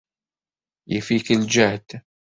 Yif-ik ljehd.